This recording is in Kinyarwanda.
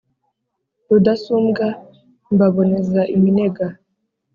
Rudasumbwa mbaboneza iminega